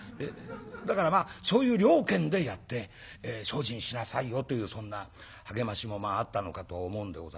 だからまあそういう了見でやって精進しなさいよというそんな励ましもあったのかと思うんでございますが。